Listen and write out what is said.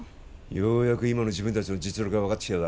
ようやく今の自分達の実力が分かってきたようだ